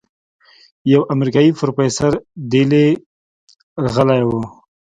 يو امريکايي پروفيسور دېلې رغلى و.